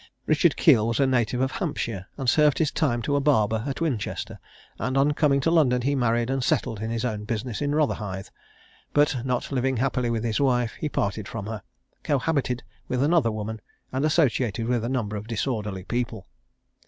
Richard Keele was a native of Hampshire, and served his time to a barber at Winchester; and on coming to London, he married and settled in his own business in Rotherhithe: but not living happily with his wife, he parted from her, cohabited with another woman, and associated with a number of disorderly people.